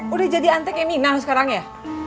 udah jadi antek ya mina lo sekarang ya